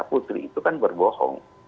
putri itu kan berbohong